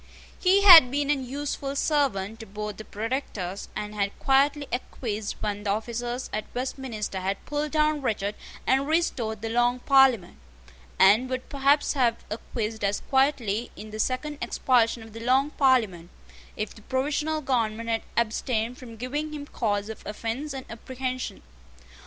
He had been an useful servant to both the Protectors, and had quietly acquiesced when the officers at Westminster had pulled down Richard and restored the Long Parliament, and would perhaps have acquiesced as quietly in the second expulsion of the Long Parliament, if the provisional government had abstained from giving him cause of offence and apprehension.